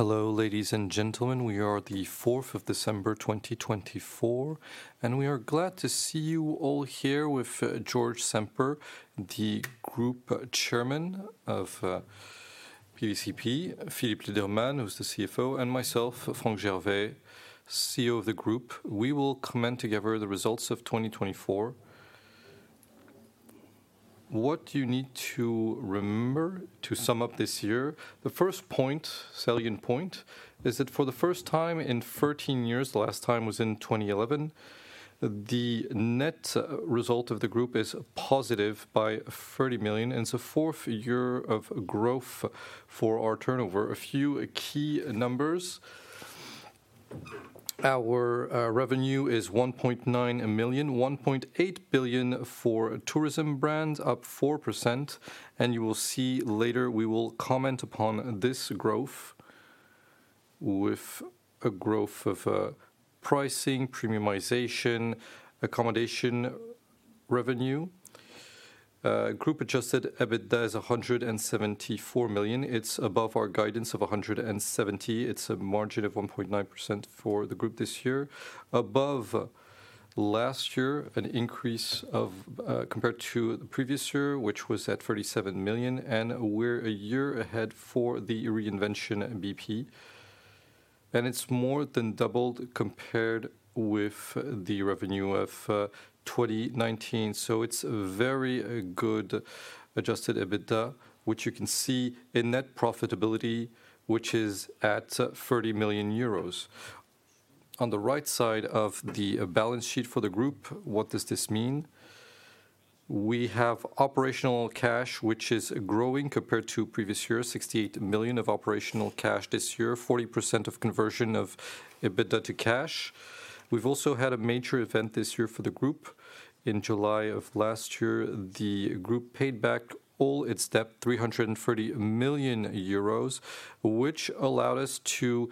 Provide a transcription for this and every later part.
Hello, ladies and gentlemen. We are the 4th of December, 2024, and we are glad to see you all here with Georges Sampeur, the Group Chairman of PVCP, Philippe Lederman, who's the CFO, and myself, Franck Gervais, CEO of the Group. We will comment together on the results of 2024. What do you need to remember to sum up this year? The first point, salient point, is that for the first time in 13 years - the last time was in 2011 - the net result of the Group is positive by 30 million, and it's the fourth year of growth for our turnover. A few key numbers: our revenue is 1.9 million, 1.8 billion for tourism brands, up 4%, and you will see later we will comment upon this growth with a growth of pricing, premiumization, accommodation revenue. Group-adjusted EBITDA is 174 million. It's above our guidance of 170. It's a margin of 1.9% for the Group this year, above last year, an increase compared to the previous year, which was at 37 million, and we're a year ahead for the Reinvention BP, and it's more than doubled compared with the revenue of 2019. So it's a very good adjusted EBITDA, which you can see in net profitability, which is at 30 million euros. On the right side of the balance sheet for the Group, what does this mean? We have operational cash, which is growing compared to previous year: 68 million of operational cash this year, 40% of conversion of EBITDA to cash. We've also had a major event this year for the Group. In July of last year, the Group paid back all its debt, 330 million euros, which allowed us to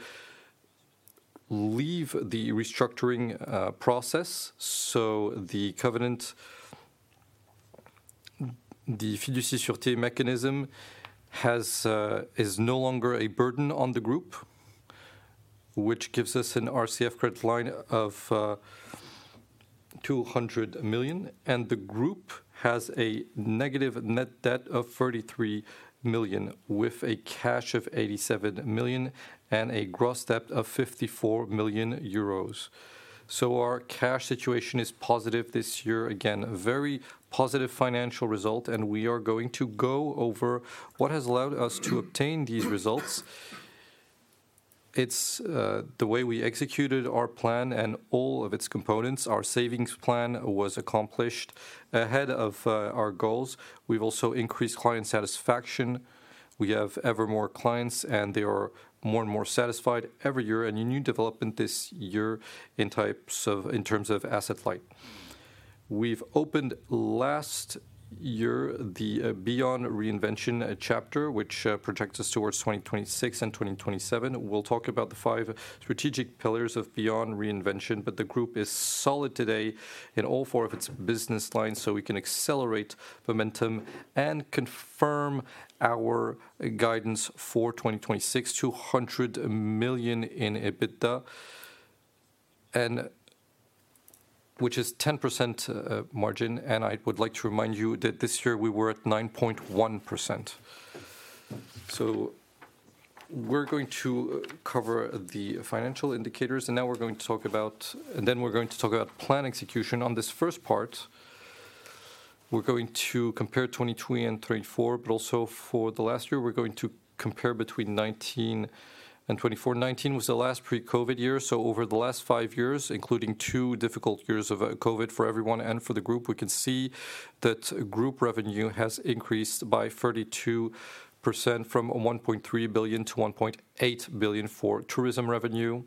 leave the restructuring process. The covenant, the fiducie-sûreté mechanism, is no longer a burden on the Group, which gives us an RCF credit line of 200 million, and the Group has a negative net debt of 33 million, with a cash of 87 million and a gross debt of 54 million euros. Our cash situation is positive this year. Again, very positive financial result, and we are going to go over what has allowed us to obtain these results. It's the way we executed our plan and all of its components. Our savings plan was accomplished ahead of our goals. We've also increased client satisfaction. We have ever more clients, and they are more and more satisfied every year, and a new development this year in terms of asset-light. We've opened last year the Beyond Reinvention chapter, which projects us towards 2026 and 2027. We'll talk about the five strategic pillars of Beyond Reinvention, but the Group is solid today in all four of its business lines, so we can accelerate momentum and confirm our guidance for 2026: 200 million in EBITDA, which is a 10% margin, and I would like to remind you that this year we were at 9.1%. So we're going to cover the financial indicators, and now we're going to talk about, and then we're going to talk about plan execution. On this first part, we're going to compare 2020 and 2024, but also for the last year, we're going to compare between 2019 and 2024. 2019 was the last pre-COVID year, so over the last five years, including two difficult years of COVID for everyone and for the Group, we can see that Group revenue has increased by 32% from 1.3 billion to 1.8 billion for tourism revenue.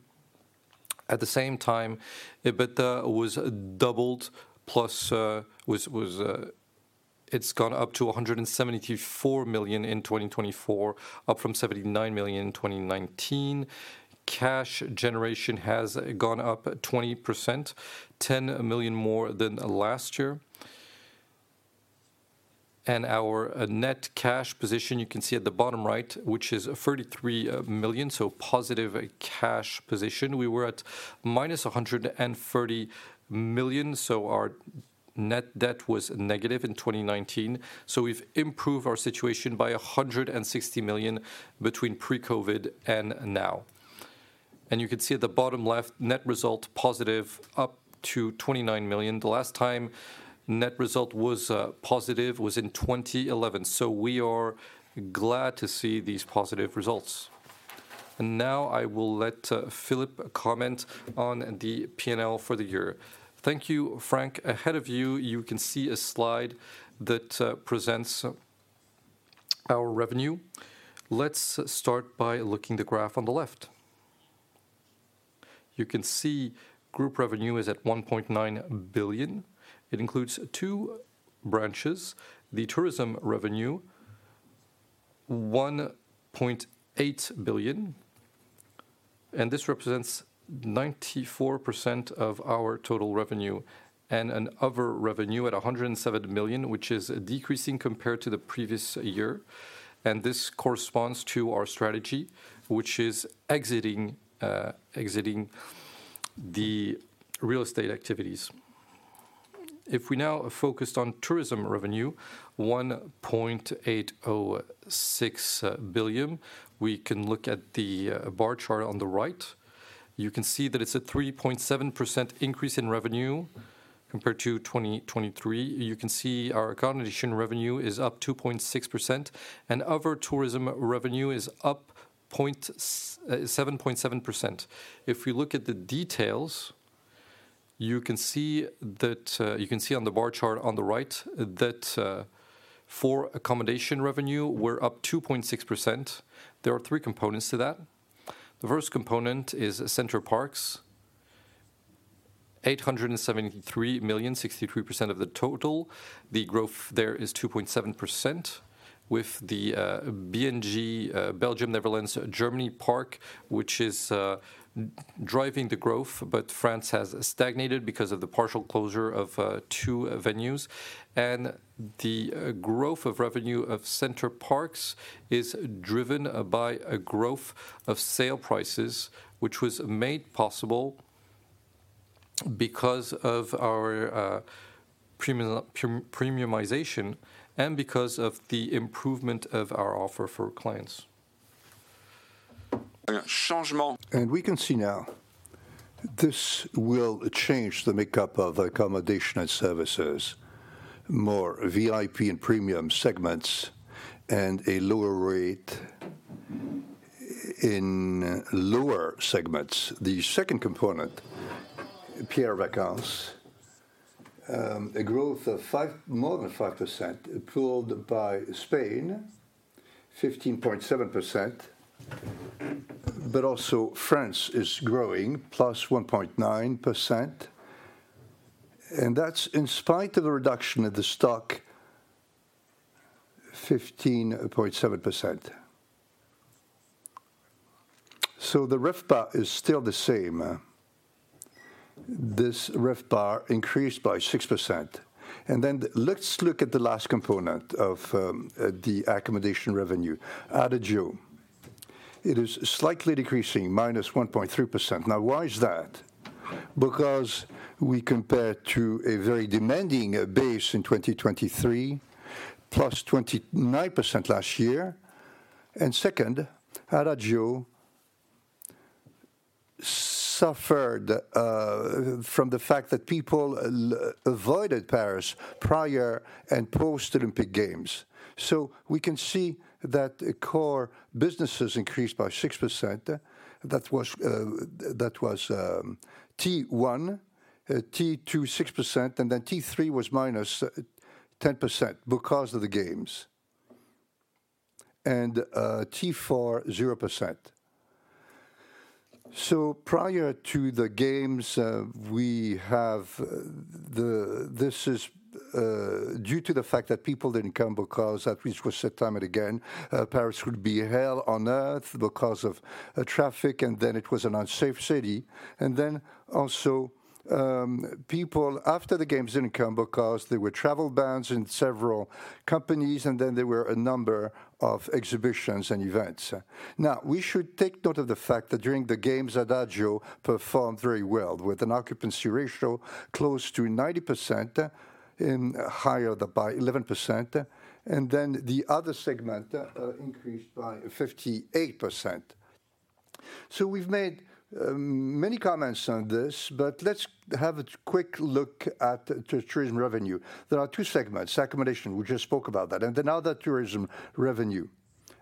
At the same time, EBITDA was doubled, plus it's gone up to 174 million in 2024, up from 79 million in 2019. Cash generation has gone up 20%, 10 million more than last year. And our net cash position, you can see at the bottom right, which is 33 million, so positive cash position. We were at -130 million, so our net debt was negative in 2019. So we've improved our situation by 160 million between pre-COVID and now. And you can see at the bottom left, net result positive, up to 29 million. The last time net result was positive was in 2011, so we are glad to see these positive results. And now I will let Philippe comment on the P&L for the year. Thank you, Franck. Ahead of you, you can see a slide that presents our revenue. Let's start by looking at the graph on the left. You can see Group revenue is at 1.9 billion. It includes two branches: the tourism revenue, 1.8 billion, and this represents 94% of our total revenue, and other revenue at 107 million, which is decreasing compared to the previous year, and this corresponds to our strategy, which is exiting the real estate activities. If we now focus on tourism revenue, 1.806 billion, we can look at the bar chart on the right. You can see that it's a 3.7% increase in revenue compared to 2023. You can see our accommodation revenue is up 2.6%, and other tourism revenue is up 7.7%. If we look at the details, you can see that on the bar chart on the right that for accommodation revenue, we're up 2.6%. There are three components to that. The first component is Center Parcs, 873 million, 63% of the total. The growth there is 2.7%, with the BNG, Belgium, Netherlands, Germany parks, which is driving the growth, but France has stagnated because of the partial closure of two venues. And the growth of revenue of Center Parcs is driven by a growth of sale prices, which was made possible because of our premiumization and because of the improvement of our offer for clients. We can see now this will change the makeup of accommodation and services, more VIP and premium segments, and a lower rate in lower segments. The second component, Pierre & Vacances, a growth of more than 5%, pulled by Spain, 15.7%, but also France is growing, +1.9%, and that's in spite of the reduction of the stock, 15.7%. So the RevPAR is still the same. This RevPAR increased by 6%. And then let's look at the last component of the accommodation revenue, Adagio. It is slightly decreasing, -1.3%. Now, why is that? Because we compare to a very demanding base in 2023, +29% last year. And second, Adagio, suffered from the fact that people avoided Paris prior and post-Olympic Games. So we can see that core businesses increased by 6%. That was T1, T2, 6%, and then T3 was -10% because of the Games, and T4, 0%. So prior to the Games, we have this is due to the fact that people didn't come because that which was said time and again, Paris would be hell on earth because of traffic, and then it was an unsafe city. And then also people, after the Games, didn't come because there were travel bans in several companies, and then there were a number of exhibitions and events. Now, we should take note of the fact that during the Games, Adagio performed very well with an occupancy ratio close to 90%, higher by 11%, and then the other segment increased by 58%. So we've made many comments on this, but let's have a quick look at tourism revenue. There are two segments, accommodation, we just spoke about that, and then other tourism revenue,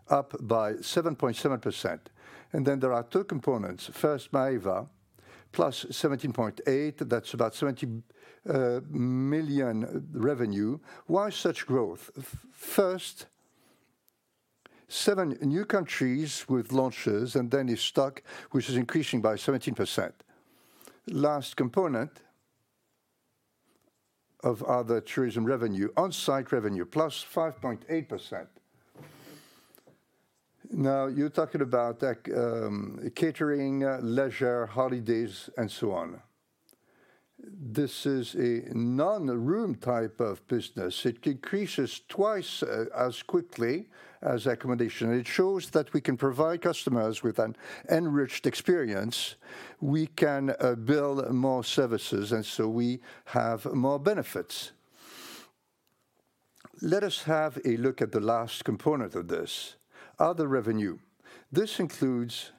up by 7.7%. Then there are two components, first, Maeva, +17.8%, that's about 70 million revenue. Why such growth? First, seven new countries with launches, and then the stock, which is increasing by 17%. Last component of other tourism revenue, on-site revenue, +5.8%. Now, you're talking about catering, leisure, holidays, and so on. This is a non-room type of business. It decreases twice as quickly as accommodation. It shows that we can provide customers with an enriched experience. We can build more services, and so we have more benefits. Let us have a look at the last component of this, other revenue. This includes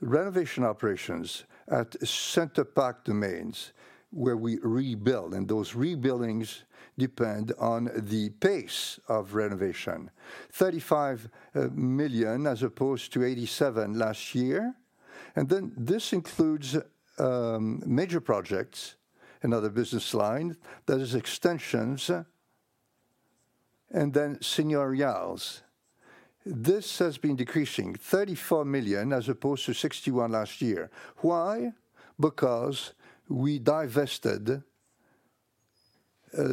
renovation operations at Center Parcs domains, where we rebuild, and those rebuildings depend on the pace of renovation, 35 million as opposed to 87 million last year. This includes major projects and other business lines that are extensions, and then Les Senioriales. This has been decreasing, 34 million as opposed to 61 million last year. Why? Because we divested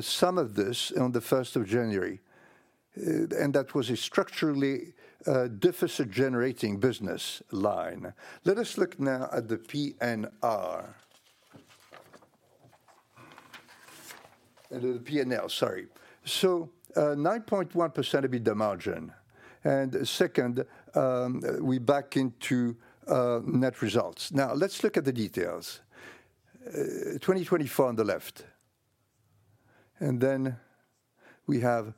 some of this on the 1st of January, and that was a structurally deficit-generating business line. Let us look now at the P&L. And the P&L, sorry. So 9.1% EBITDA margin. And second, we back into net results. Now, let's look at the details. 2024 on the left. And then we have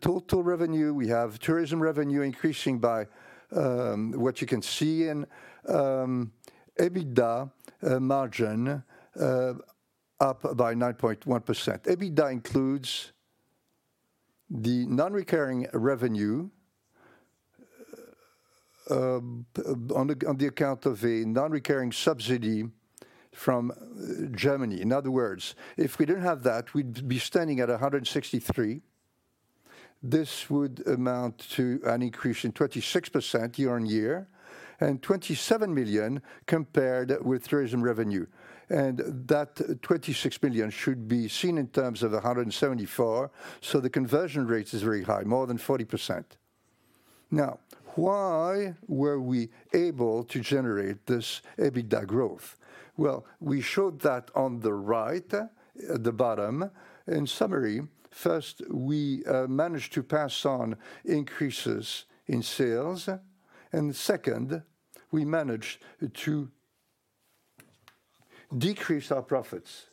total revenue. We have tourism revenue increasing by what you can see in EBITDA margin, up by 9.1%. EBITDA includes the non-recurring revenue on the account of a non-recurring subsidy from Germany. In other words, if we didn't have that, we'd be standing at 163 million. This would amount to an increase in 26% year-on-year and 27 million compared with tourism revenue. That 26 million should be seen in terms of 174. So the conversion rate is very high, more than 40%. Now, why were we able to generate this EBITDA growth? Well, we showed that on the right, at the bottom. In summary, first, we managed to pass on increases in sales, and second, we managed to decrease our profits.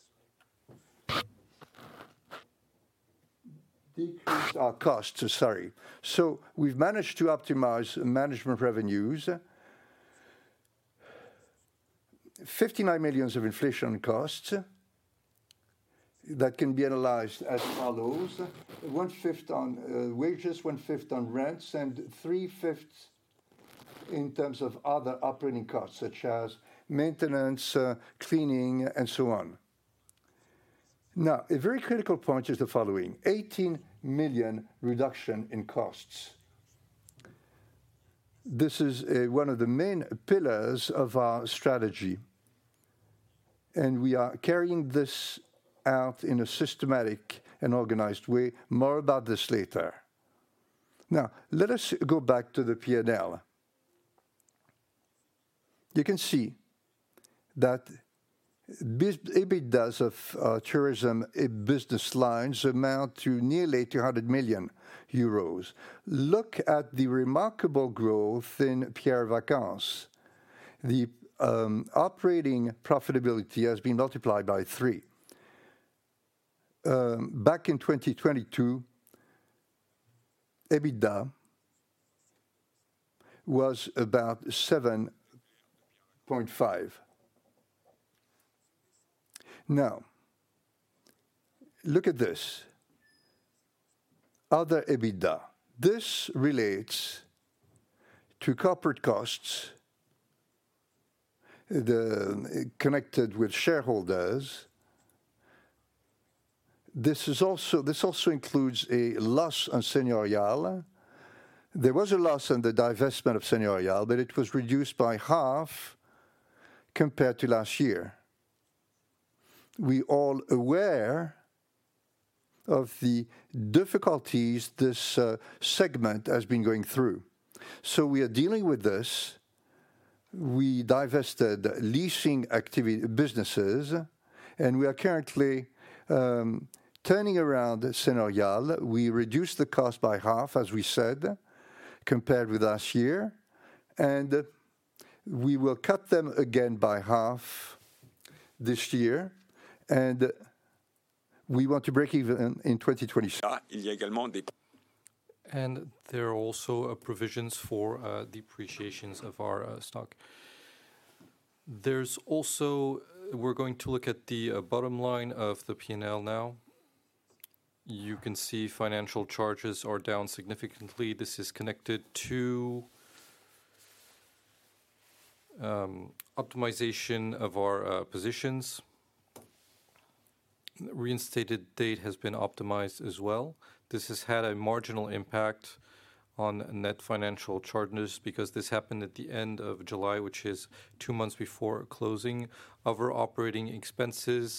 Decrease our costs, sorry. So we've managed to optimize management revenues. 59 million of inflation costs that can be analyzed as follows. One-fifth on wages, one-fifth on rents, and three-fifths in terms of other operating costs, such as maintenance, cleaning, and so on. Now, a very critical point is the following: 18 million reduction in costs. This is one of the main pillars of our strategy. And we are carrying this out in a systematic and organized way. More about this later. Now, let us go back to the P&L. You can see that EBITDA of tourism business lines amount to nearly 200 million euros. Look at the remarkable growth in Pierre et Vacances. The operating profitability has been multiplied by three. Back in 2022, EBITDA was about EUR 7.5 million. Now, look at this. Other EBITDA. This relates to corporate costs connected with shareholders. This also includes a loss on Les Senioriales. There was a loss on the divestment of Les Senioriales, but it was reduced by half compared to last year. We are all aware of the difficulties this segment has been going through. So we are dealing with this. We divested leasing businesses, and we are currently turning around Les Senioriales. We reduced the cost by half, as we said, compared with last year. And we will cut them again by half this year. And we want to break even in 2026. And there are also provisions for depreciations of our stock. There's also, we're going to look at the bottom line of the P&L now. You can see financial charges are down significantly. This is connected to optimization of our positions. The interest rate has been optimized as well. This has had a marginal impact on net financial charges because this happened at the end of July, which is two months before closing of our fiscal year.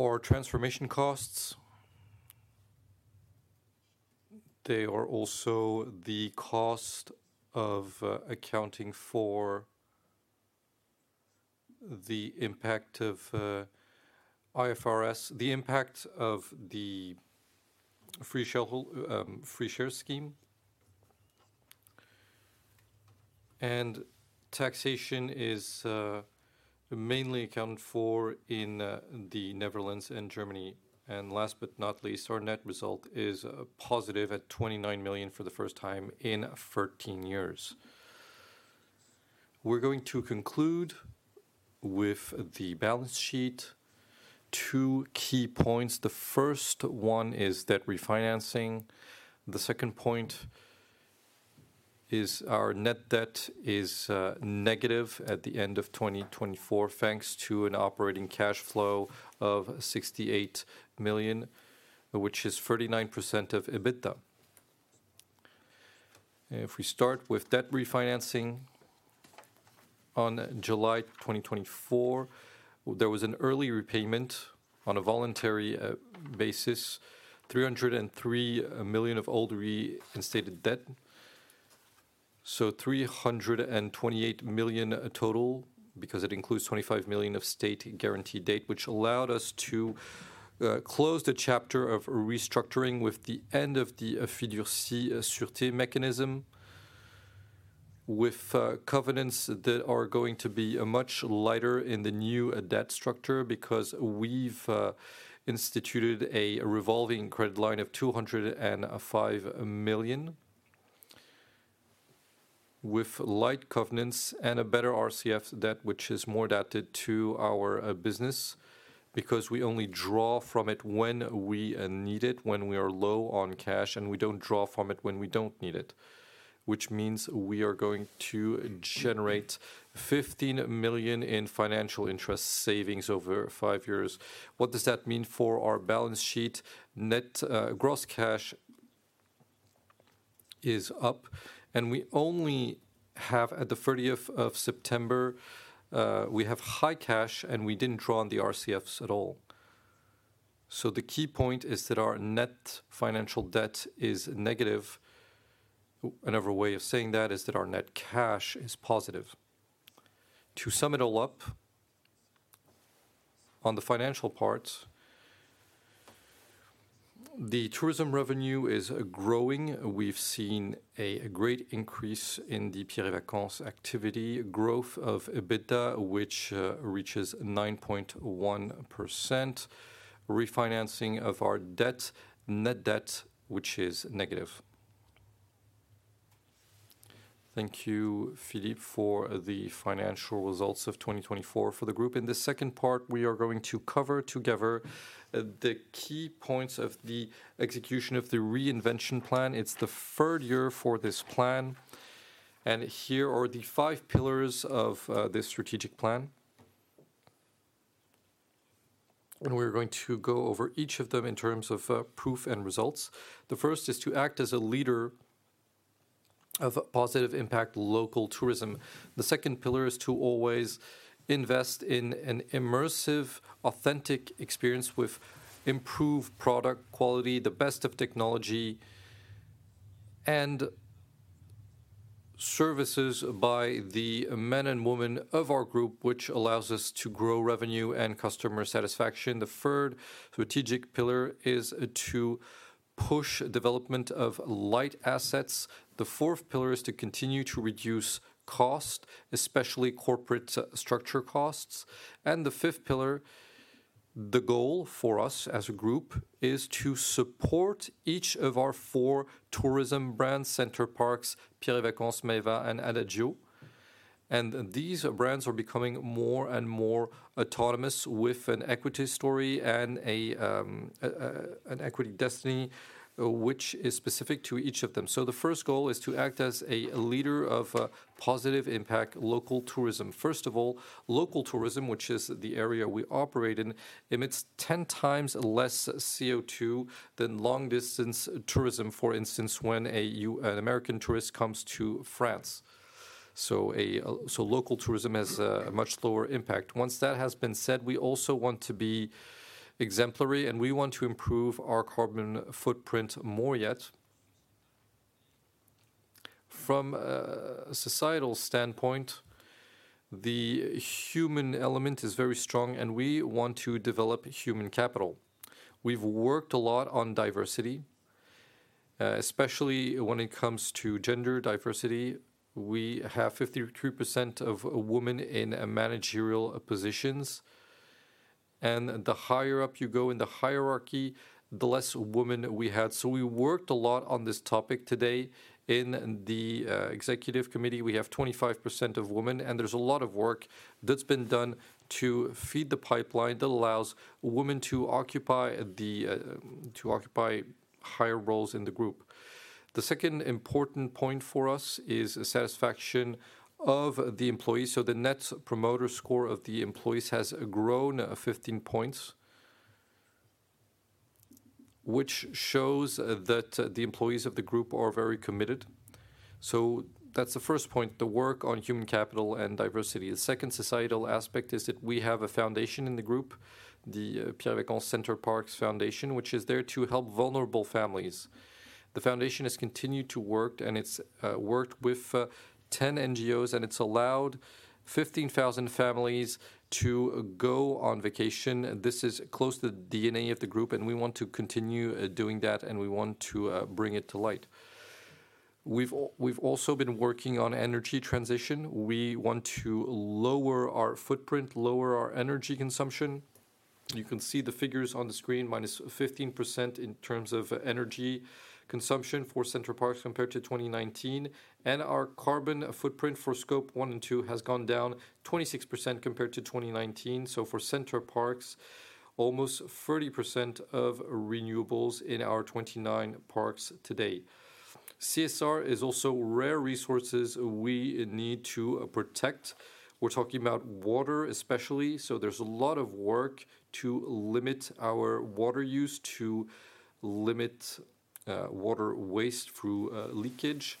Our transformation costs, they are also the cost of accounting for the impact of IFRS, the impact of the free share scheme, and taxation is mainly accounted for in the Netherlands and Germany. Last but not least, our net result is positive at 29 million for the first time in 13 years. We're going to conclude with the balance sheet. Two key points. The first one is debt refinancing. The second point is our net debt is negative at the end of 2024, thanks to an operating cash flow of 68 million, which is 39% of EBITDA. If we start with debt refinancing on July 2024, there was an early repayment on a voluntary basis, 303 million of old reinstated debt. 328 million total because it includes 25 million of state guaranteed debt, which allowed us to close the chapter of restructuring with the end of the Fiducie-sûreté mechanism, with covenants that are going to be much lighter in the new debt structure because we've instituted a revolving credit line of 205 million, with light covenants and a better RCF debt, which is more adapted to our business because we only draw from it when we need it, when we are low on cash, and we don't draw from it when we don't need it, which means we are going to generate 15 million in financial interest savings over five years. What does that mean for our balance sheet? Net gross cash is up, and we only have at the 30th of September, we have high cash, and we didn't draw on the RCFs at all. The key point is that our net financial debt is negative. Another way of saying that is that our net cash is positive. To sum it all up, on the financial part, the tourism revenue is growing. We've seen a great increase in the Pierre & Vacances activity, growth of EBITDA, which reaches 9.1%. Refinancing of our debt. Net debt, which is negative. Thank you, Philippe, for the financial results of 2024 for the group. In this second part, we are going to cover together the key points of the execution of the Reinvention plan. It's the third year for this plan. Here are the five pillars of this strategic plan. We're going to go over each of them in terms of proof and results. The first is to act as a leader of positive impact local tourism. The second pillar is to always invest in an immersive, authentic experience with improved product quality, the best of technology, and services by the men and women of our group, which allows us to grow revenue and customer satisfaction. The third strategic pillar is to push development of light assets. The fourth pillar is to continue to reduce costs, especially corporate structure costs. And the fifth pillar, the goal for us as a group, is to support each of our four tourism brands, Center Parcs, Pierre & Vacances, Maeva, and Adagio. And these brands are becoming more and more autonomous with an equity story and an equity destiny, which is specific to each of them. So the first goal is to act as a leader of positive impact local tourism. First of all, local tourism, which is the area we operate in, emits 10 times less CO2 than long-distance tourism, for instance, when an American tourist comes to France. So local tourism has a much lower impact. Once that has been said, we also want to be exemplary, and we want to improve our carbon footprint more yet. From a societal standpoint, the human element is very strong, and we want to develop human capital. We've worked a lot on diversity, especially when it comes to gender diversity. We have 53% of women in managerial positions, and the higher up you go in the hierarchy, the less women we have, so we worked a lot on this topic today. In the executive committee, we have 25% of women, and there's a lot of work that's been done to feed the pipeline that allows women to occupy higher roles in the group. The second important point for us is satisfaction of the employees, so the Net Promoter Score of the employees has grown 15 points, which shows that the employees of the group are very committed, so that's the first point, the work on human capital and diversity. The second societal aspect is that we have a foundation in the group, the Pierre & Vacances Center Parcs Foundation, which is there to help vulnerable families. The foundation has continued to work, and it's worked with 10 NGOs, and it's allowed 15,000 families to go on vacation. This is close to the DNA of the group, and we want to continue doing that, and we want to bring it to light. We've also been working on energy transition. We want to lower our footprint, lower our energy consumption. You can see the figures on the screen, minus 15% in terms of energy consumption for Center Parcs compared to 2019, and our carbon footprint for Scope one and two has gone down 26% compared to 2019, so for Center Parcs, almost 30% of renewables in our 29 parks today. CSR is also rare resources we need to protect. We're talking about water, especially, so there's a lot of work to limit our water use, to limit water waste through leakage.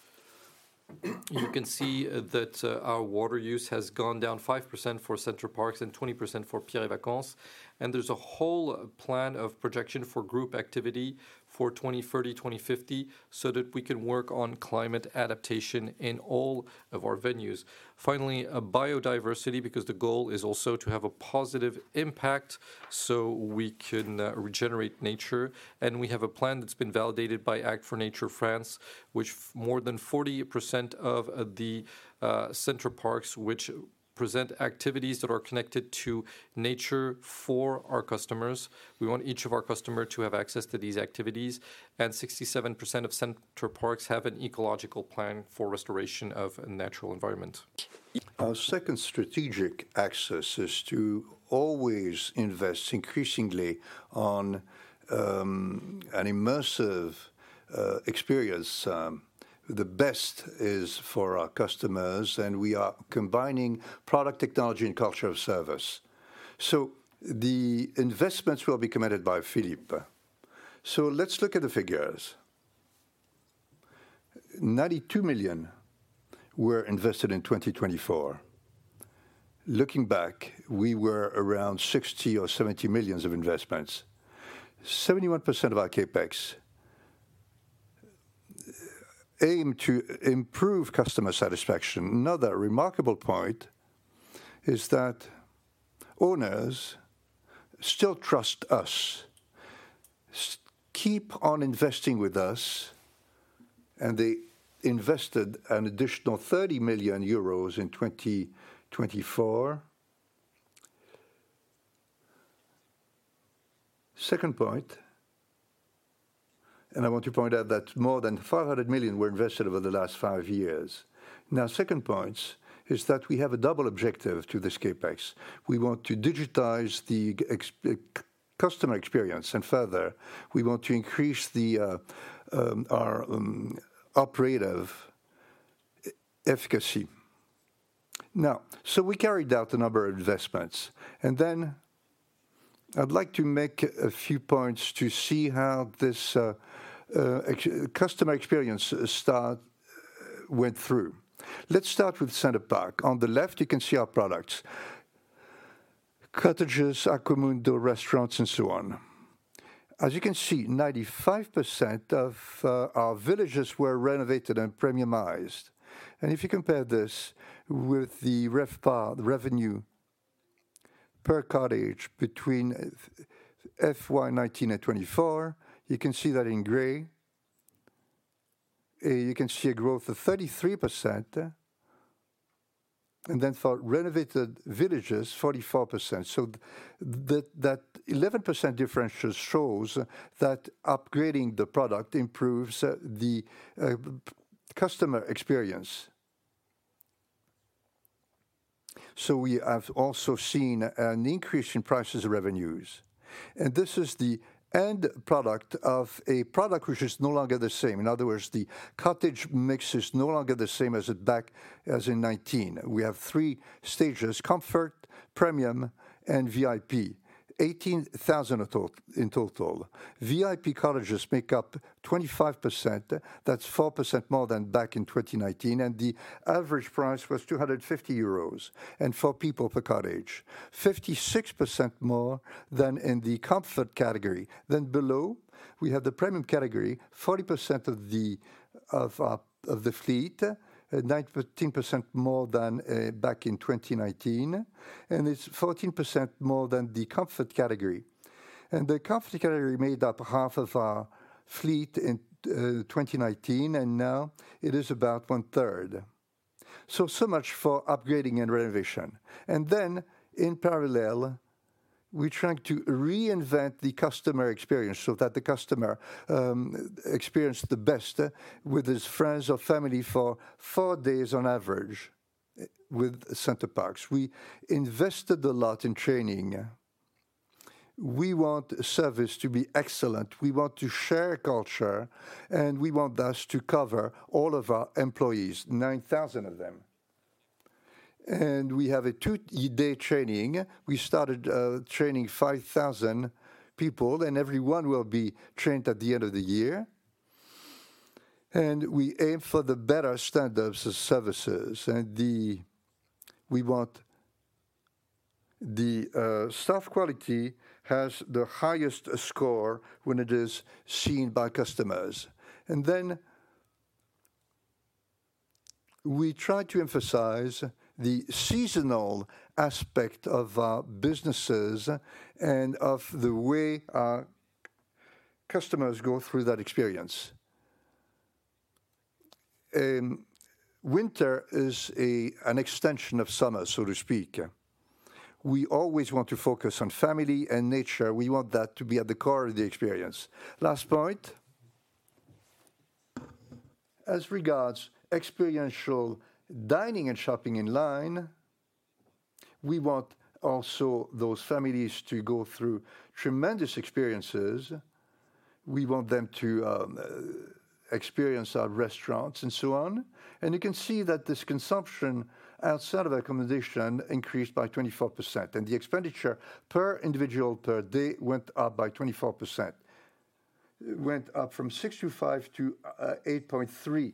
You can see that our water use has gone down 5% for Center Parcs and 20% for Pierre & Vacances, and there's a whole plan of projection for group activity for 2030, 2050, so that we can work on climate adaptation in all of our venues. Finally, biodiversity, because the goal is also to have a positive impact so we can regenerate nature. We have a plan that's been validated by Act4nature France, which more than 40% of the Center Parcs, which present activities that are connected to nature for our customers. We want each of our customers to have access to these activities. 67% of Center Parcs have an ecological plan for restoration of a natural environment. Our second strategic axis is to always invest increasingly on an immersive experience. The best is for our customers, and we are combining product technology and culture of service. The investments will be committed by Philippe. Let's look at the figures. 92 million were invested in 2024. Looking back, we were around 60 million or 70 million of investments. 71% of our Capex aim to improve customer satisfaction. Another remarkable point is that owners still trust us, keep on investing with us, and they invested an additional 30 million euros in 2024. Second point, and I want to point out that more than 500 million were invested over the last five years. Now, second point is that we have a double objective to this Capex. We want to digitize the customer experience and further, we want to increase our operational efficiency. Now, so we carried out a number of investments. And then I'd like to make a few points to see how this customer experience went through. Let's start with Center Parcs. On the left, you can see our products: cottages, accommodation, restaurants, and so on. As you can see, 95% of our villages were renovated and premiumized. And if you compare this with the revenue per cottage between FY 2019 and 2024, you can see that in gray. You can see a growth of 33%. And then for renovated villages, 44%. So that 11% differential shows that upgrading the product improves the customer experience. So we have also seen an increase in prices of revenues. And this is the end product of a product which is no longer the same. In other words, the cottage mix is no longer the same as back in 2019. We have three stages: comfort, premium, and VIP, 18,000 in total. VIP cottages make up 25%. That's 4% more than back in 2019. And the average price was 250 euros for people per cottage, 56% more than in the comfort category. Then below, we have the premium category, 40% of the fleet, 19% more than back in 2019. And it's 14% more than the comfort category. The comfort category made up half of our fleet in 2019, and now it is about 1/3. So much for upgrading and renovation. In parallel, we're trying to reinvent the customer experience so that the customer experiences the best with his friends or family for four days on average with Center Parcs. We invested a lot in training. We want service to be excellent. We want to share culture, and we want us to cover all of our employees, 9,000 of them. We have a two-day training. We started training 5,000 people, and everyone will be trained at the end of the year. We aim for the better standards of services. We want the staff quality has the highest score when it is seen by customers. And then we try to emphasize the seasonal aspect of our businesses and of the way our customers go through that experience. Winter is an extension of summer, so to speak. We always want to focus on family and nature. We want that to be at the core of the experience. Last point. As regards experiential dining and shopping in line, we want also those families to go through tremendous experiences. We want them to experience our restaurants and so on. And you can see that this consumption outside of accommodation increased by 24%. And the expenditure per individual per day went up by 24%, went up from 6.5 to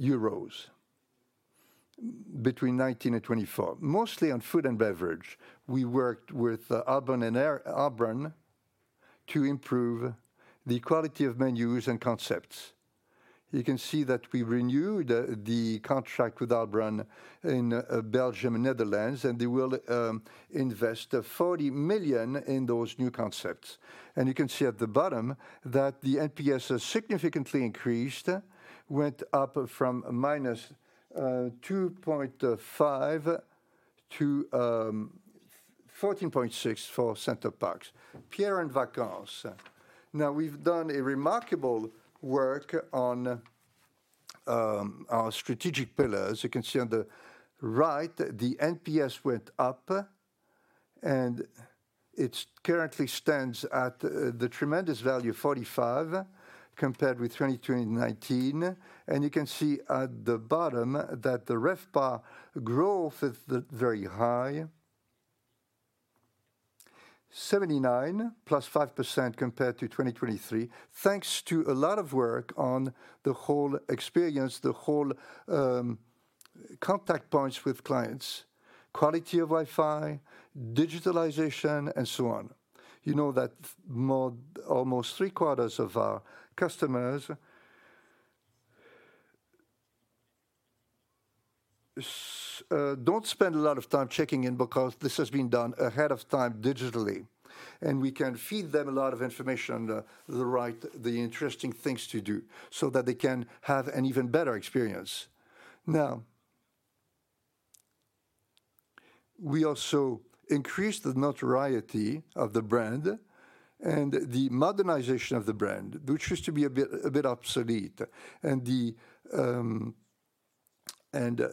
8.3 euros between 2019 and 2024, mostly on food and beverage. We worked with Albron to improve the quality of menus and concepts. You can see that we renewed the contract with Albron in Belgium and Netherlands, and they will invest 40 million in those new concepts. You can see at the bottom that the NPS has significantly increased, went up from minus 2.5 to 14.6 for Center Parcs, Pierre & Vacances. Now, we've done a remarkable work on our strategic pillars. You can see on the right, the NPS went up, and it currently stands at the tremendous value of 45 compared with 2020 and 2019. You can see at the bottom that the RevPAR growth is very high, 79 + 5% compared to 2023, thanks to a lot of work on the whole experience, the whole contact points with clients, quality of Wi-Fi, digitalization, and so on. You know that almost three quarters of our customers don't spend a lot of time checking in because this has been done ahead of time digitally, and we can feed them a lot of information, the right, the interesting things to do so that they can have an even better experience. Now, we also increased the notoriety of the brand and the modernization of the brand, which used to be a bit obsolete, and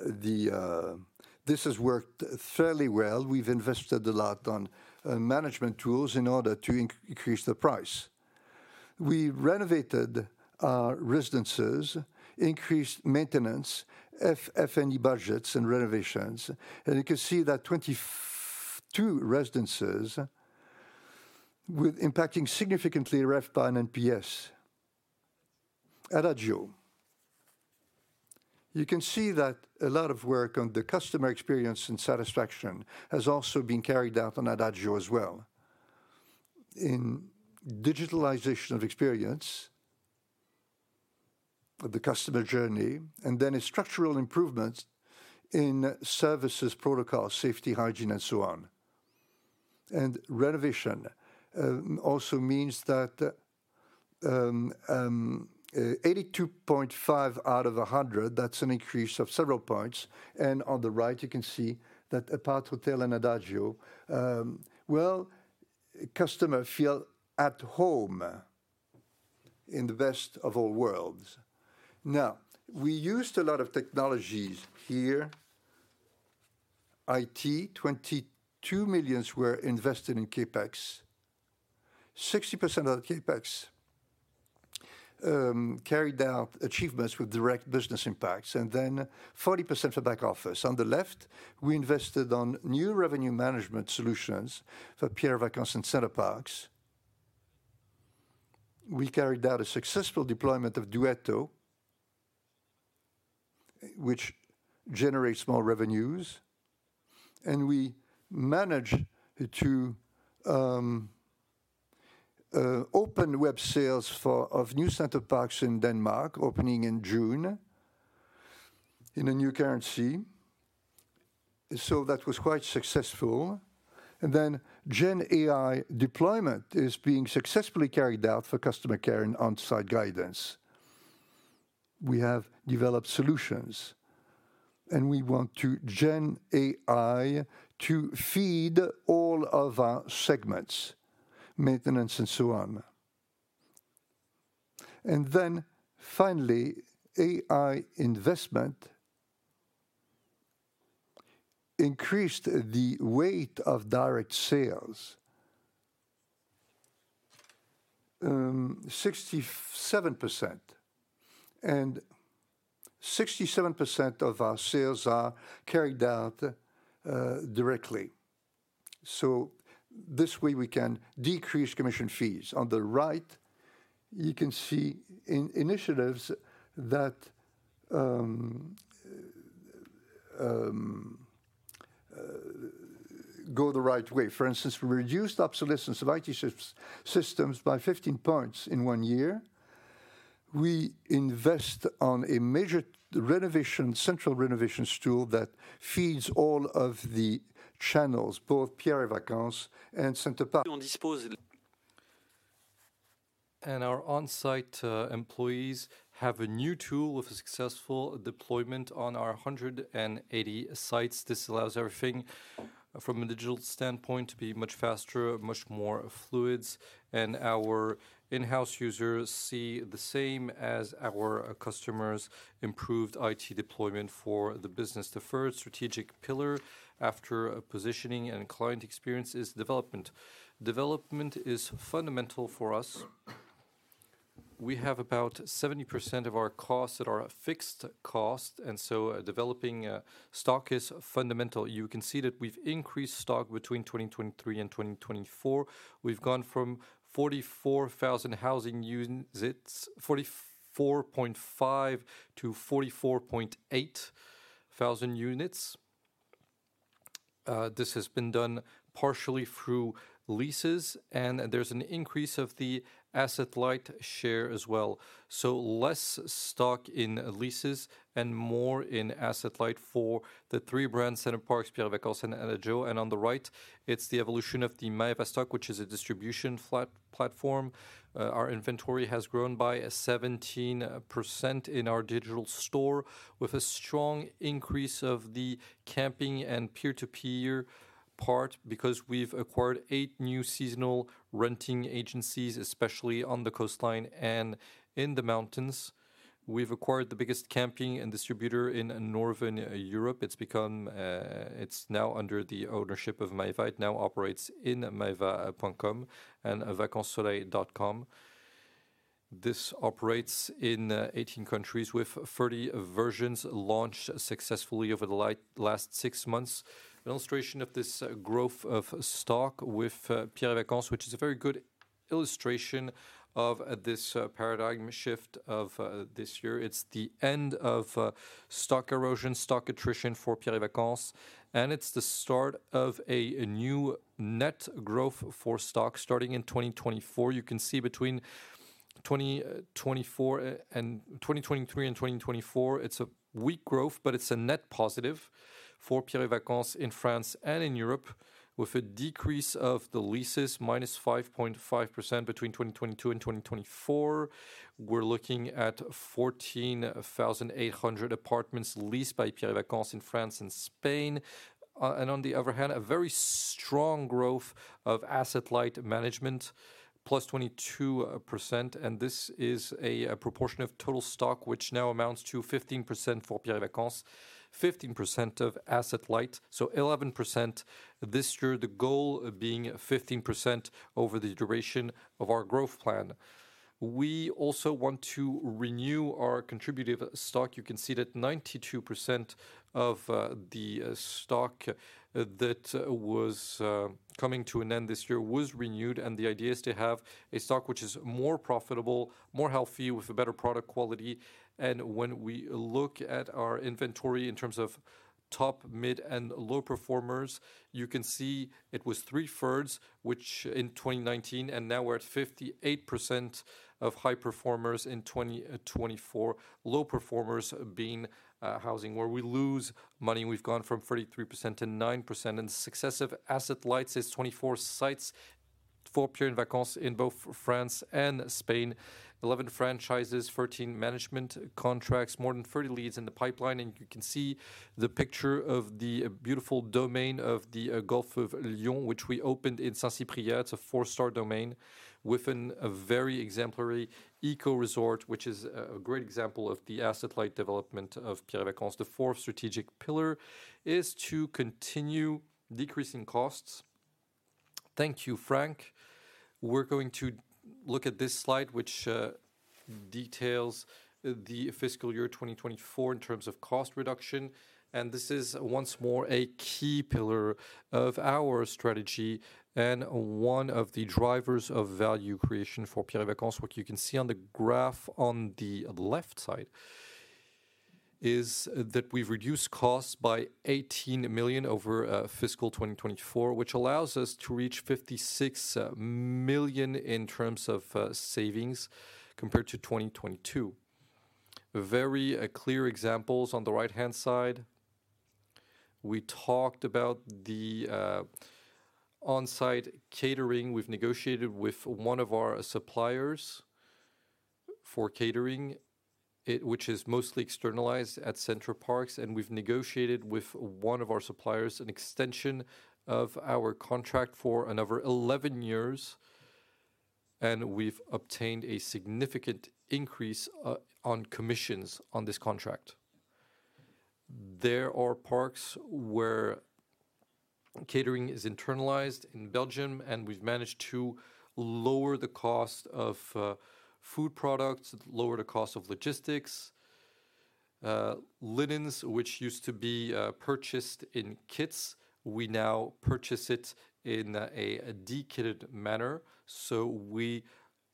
this has worked fairly well. We've invested a lot on management tools in order to increase the price. We renovated our residences, increased maintenance, FF&E budgets, and renovations, and you can see that 22 residences were impacting significantly RevPAR by an NPS. Adagio. You can see that a lot of work on the customer experience and satisfaction has also been carried out on Adagio as well. In digitalization of experience of the customer journey, and then a structural improvement in services, protocol, safety, hygiene, and so on, and renovation also means that 82.5 out of 100. That's an increase of several points, and on the right, you can see that Aparthotel Adagio, well, customers feel at home in the best of all worlds. Now, we used a lot of technologies here. IT, 22 million were invested in CapEx, 60% of the CapEx carried out achievements with direct business impacts, and then 40% for back office. On the left, we invested on new revenue management solutions for Pierre & Vacances and Center Parcs. We carried out a successful deployment of Duetto, which generates more revenues, and we managed to open web sales for new Center Parcs in Denmark, opening in June in a new currency, so that was quite successful. And then Gen AI deployment is being successfully carried out for customer care and on-site guidance. We have developed solutions, and we want to Gen AI to feed all of our segments, maintenance, and so on. And then finally, AI investment increased the weight of direct sales, 67%. And 67% of our sales are carried out directly. So this way, we can decrease commission fees. On the right, you can see initiatives that go the right way. For instance, we reduced obsolescence of IT systems by 15 points in one year. We invest on a major central renovation tool that feeds all of the channels, both Pierre & Vacances and Center Parcs and maeva. And our on-site employees have a new tool with a successful deployment on our 180 sites. This allows everything from a digital standpoint to be much faster, much more fluid. And our in-house users see the same as our customers' improved IT deployment for the business. The third strategic pillar after positioning and client experience is development. Development is fundamental for us. We have about 70% of our costs that are fixed costs, and so developing stock is fundamental. You can see that we've increased stock between 2023 and 2024. We've gone from 44,000 housing units, 44.5 to 44.8 thousand units. This has been done partially through leases, and there's an increase of the asset light share as well. So less stock in leases and more in asset light for the three brands, Center Parcs, Pierre & Vacances, and Adagio. And on the right, it's the evolution of the maeva stock, which is a distribution platform. Our inventory has grown by 17% in our digital store, with a strong increase of the camping and peer-to-peer part because we've acquired eight new seasonal renting agencies, especially on the coastline and in the mountains. We've acquired the biggest camping distributor in Northern Europe. It's now under the ownership of maeva, now operates in maeva.com and Vacansoleil.com. This operates in 18 countries with 30 versions launched successfully over the last six months. An illustration of this growth of stock with Pierre & Vacances, which is a very good illustration of this paradigm shift of this year. It's the end of stock erosion, stock attrition for Pierre & Vacances, and it's the start of a new net growth for stock starting in 2024. You can see between 2023 and 2024, it's a weak growth, but it's a net positive for Pierre & Vacances in France and in Europe, with a decrease of the leases minus 5.5% between 2022 and 2024. We're looking at 14,800 apartments leased by Pierre & Vacances in France and Spain. And on the other hand, a very strong growth of asset-light management, +22%. And this is a proportion of total stock, which now amounts to 15% for Pierre & Vacances, 15% of asset-light, so 11% this year, the goal being 15% over the duration of our growth plan. We also want to renew our contributed stock. You can see that 92% of the stock that was coming to an end this year was renewed. And the idea is to have a stock which is more profitable, more healthy, with a better product quality. When we look at our inventory in terms of top, mid, and low performers, you can see it was three-fourths, which in 2019, and now we're at 58% of high performers in 2024, low performers being housing, where we lose money. We've gone from 33% to 9% in successive asset-light developments. It's 24 sites for Pierre & Vacances in both France and Spain, 11 franchises, 13 management contracts, more than 30 leads in the pipeline. And you can see the picture of the beautiful Domaine du Golfe du Lion, which we opened in Saint-Cyprien. It's a four-star domain with a very exemplary eco resort, which is a great example of the asset-light development of Pierre & Vacances. The fourth strategic pillar is to continue decreasing costs. Thank you, Franck. We're going to look at this slide, which details the fiscal year 2024 in terms of cost reduction. This is once more a key pillar of our strategy and one of the drivers of value creation for Pierre & Vacances. What you can see on the graph on the left side is that we've reduced costs by 18 million over fiscal 2024, which allows us to reach 56 million in terms of savings compared to 2022. Very clear examples on the right-hand side. We talked about the on-site catering. We've negotiated with one of our suppliers for catering, which is mostly externalized at Center Parcs. We've negotiated with one of our suppliers, an extension of our contract for another 11 years. We've obtained a significant increase on commissions on this contract. There are parks where catering is internalized in Belgium, and we've managed to lower the cost of food products, lower the cost of logistics. Linens, which used to be purchased in kits, we now purchase it in a de-kitted manner. So we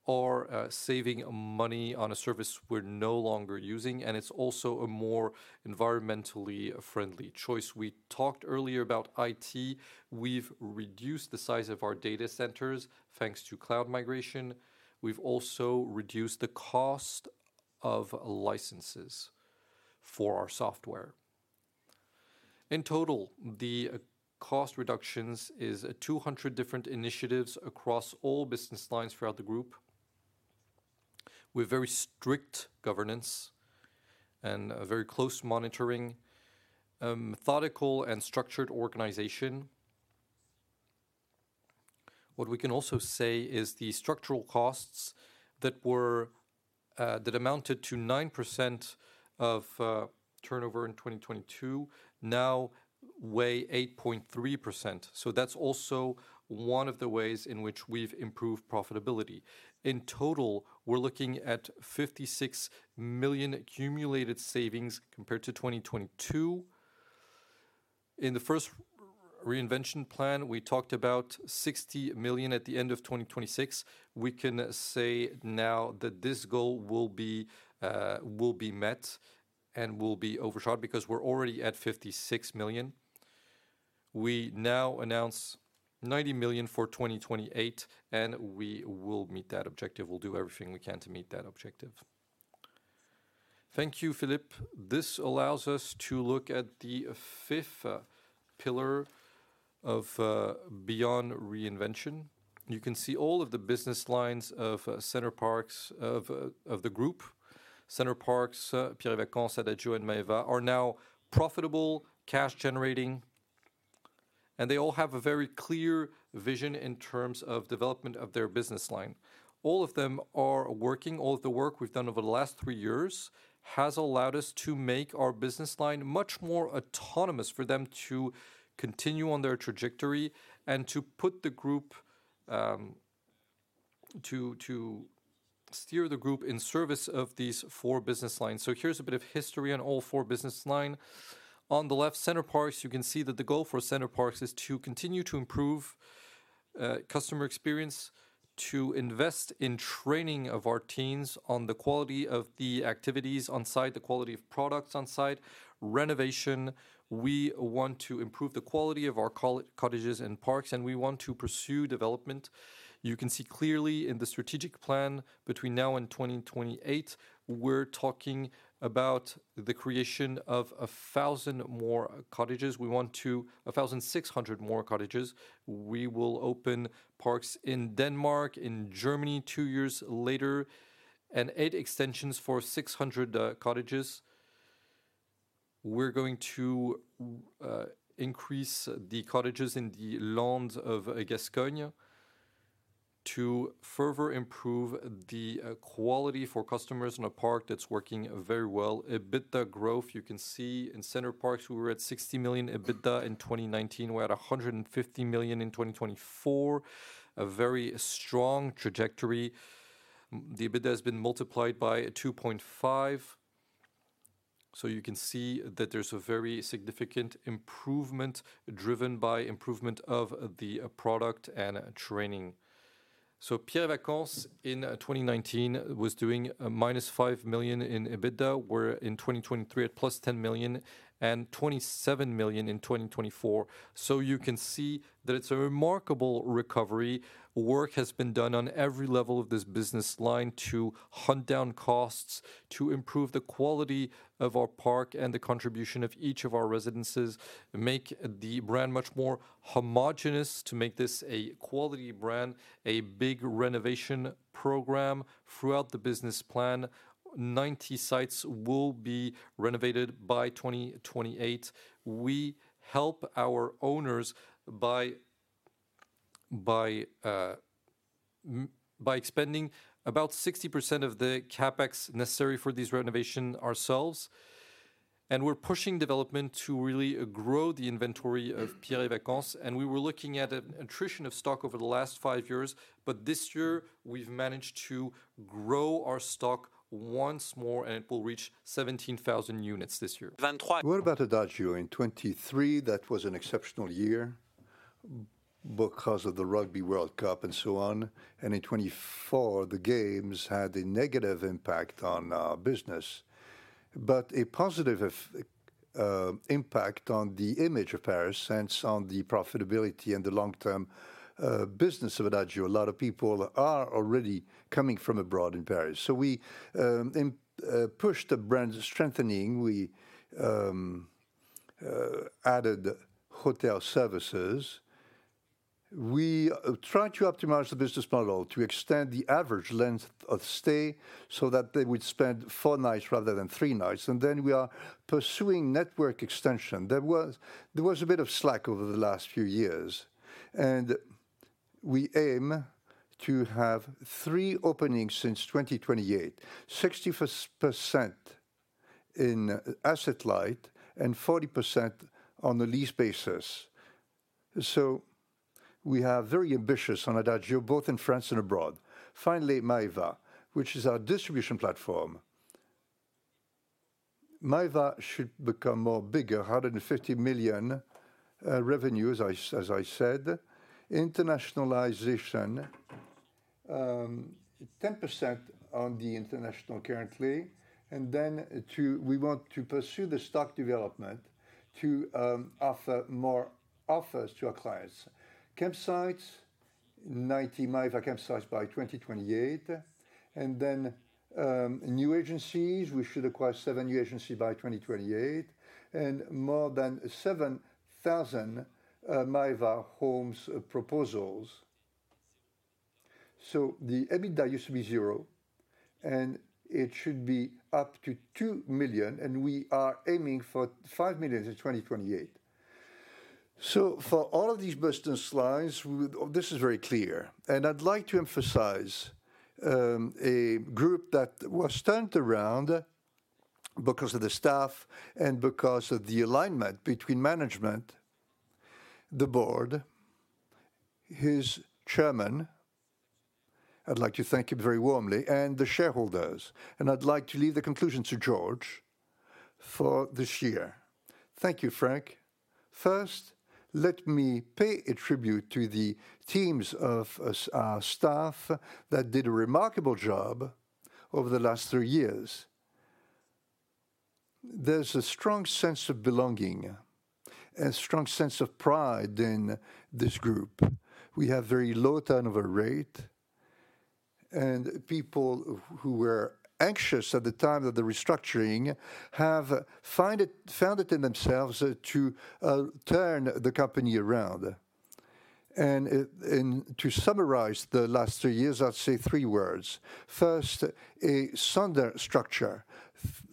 are saving money on a service we're no longer using. And it's also a more environmentally friendly choice. We talked earlier about IT. We've reduced the size of our data centers thanks to cloud migration. We've also reduced the cost of licenses for our software. In total, the cost reductions are 200 different initiatives across all business lines throughout the group with very strict governance and very close monitoring, methodical and structured organization. What we can also say is the structural costs that were amounted to 9% of turnover in 2022 now weigh 8.3%. So that's also one of the ways in which we've improved profitability. In total, we're looking at 56 million cumulated savings compared to 2022. In the first Reinvention plan, we talked about 60 million at the end of 2026. We can say now that this goal will be met and will be overshot because we're already at 56 million. We now announce 90 million for 2028, and we will meet that objective. We'll do everything we can to meet that objective. Thank you, Philippe. This allows us to look at the fifth pillar of Beyond Reinvention. You can see all of the business lines of Center Parcs, of the group, Center Parcs, Pierre & Vacances, Adagio, and Maeva are now profitable, cash-generating, and they all have a very clear vision in terms of development of their business line. All of them are working. All of the work we've done over the last three years has allowed us to make our business line much more autonomous for them to continue on their trajectory and to steer the group in service of these four business lines. So here's a bit of history on all four business lines. On the left, Center Parcs, you can see that the goal for Center Parcs is to continue to improve customer experience, to invest in training of our teams on the quality of the activities on site, the quality of products on site, renovation. We want to improve the quality of our cottages and parks, and we want to pursue development. You can see clearly in the strategic plan between now and 2028, we're talking about the creation of 1,000 more cottages. We want to 1,600 more cottages. We will open parks in Denmark, in Germany, two years later, and eight extensions for 600 cottages. We're going to increase the cottages in Les Landes de Gascogne to further improve the quality for customers in a park that's working very well. EBITDA growth, you can see in Center Parcs, we were at 60 million EBITDA in 2019. We're at 150 million in 2024, a very strong trajectory. The EBITDA has been multiplied by 2.5, so you can see that there's a very significant improvement driven by improvement of the product and training. Pierre & Vacances in 2019 was doing minus 5 million in EBITDA. We're in 2023 at +10 million and 27 million in 2024. You can see that it's a remarkable recovery. Work has been done on every level of this business line to hunt down costs, to improve the quality of our park and the contribution of each of our residences, make the brand much more homogenous, to make this a quality brand, a big renovation program throughout the business plan. 90 sites will be renovated by 2028. We help our owners by expending about 60% of the CapEx necessary for these renovations ourselves. We're pushing development to really grow the inventory of Pierre & Vacances. We were looking at an attrition of stock over the last five years, but this year, we've managed to grow our stock once more, and it will reach 17,000 units this year. What about Adagio in 2023? That was an exceptional year because of the Rugby World Cup and so on. And in 2024, the games had a negative impact on our business, but a positive impact on the image of Paris and on the profitability and the long-term business of Adagio. A lot of people are already coming from abroad in Paris. So we pushed the brand strengthening. We added hotel services. We tried to optimize the business model to extend the average length of stay so that they would spend four nights rather than three nights. And then we are pursuing network extension. There was a bit of slack over the last few years. And we aim to have three openings since 2028, 60% in asset light and 40% on the lease basis. So we are very ambitious on Adagio, both in France and abroad. Finally, maeva, which is our distribution platform. maeva should become more bigger, 150 million revenue, as I said, internationalization, 10% on the international currently. And then we want to pursue the stock development to offer more offers to our clients. Campsites, 90 maeva campsites by 2028. And then new agencies, we should acquire seven new agencies by 2028 and more than 7,000 maeva homes proposals. So the EBITDA used to be zero, and it should be up to 2 million, and we are aiming for 5 million in 2028. So for all of these business lines, this is very clear. And I'd like to emphasize a group that was turned around because of the staff and because of the alignment between management, the board, his chairman, I'd like to thank him very warmly, and the shareholders. And I'd like to leave the conclusion to Georges for this year. Thank you, Franck. First, let me pay a tribute to the teams of our staff that did a remarkable job over the last three years. There's a strong sense of belonging and a strong sense of pride in this group. We have very low turnover rate, and people who were anxious at the time of the restructuring have found it in themselves to turn the company around. To summarize the last three years, I'd say three words. First, restructuring,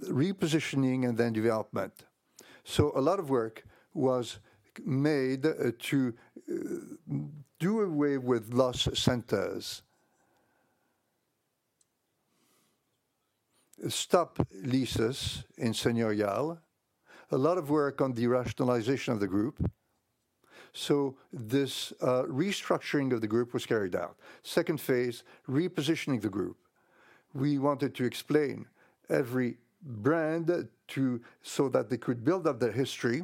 repositioning, and then development. A lot of work was made to do away with cost centers, stop leases in Les Senioriales, a lot of work on the rationalization of the group. This restructuring of the group was carried out. Second phase, repositioning the group. We wanted to reposition every brand so that they could build up their history.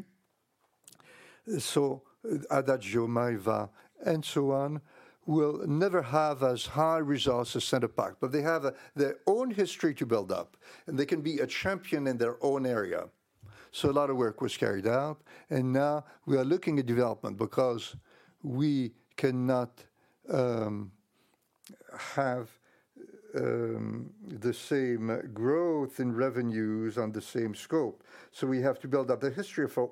Adagio, maeva, and so on will never have as high results as Center Parcs, but they have their own history to build up, and they can be a champion in their own area. A lot of work was carried out. Now we are looking at development because we cannot have the same growth in revenues on the same scope. We have to build up the history for